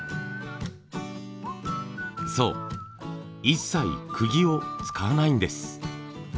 一切くぎを使わないんです。